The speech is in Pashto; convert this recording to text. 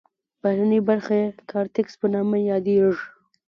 بهرنۍ برخه یې کارتکس په نامه یادیږي.